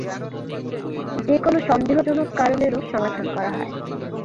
যে কোন সন্দেহজনক কারণেরও সমাধান করা হয়।